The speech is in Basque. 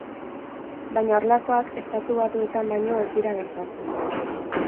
Baina horrelakoak Estatu Batuetan baino ez dira gertatzen.